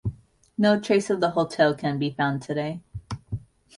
No trace of the hotel can be found today.